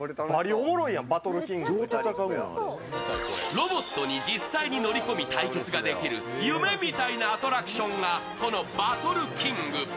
ロボットに実際に乗り込み対決ができる夢みたいなアトラクションがこのバトルキング。